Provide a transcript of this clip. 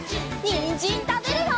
にんじんたべるよ！